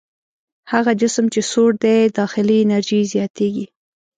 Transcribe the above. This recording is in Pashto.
هغه جسم چې سوړ دی داخلي انرژي یې زیاتیږي.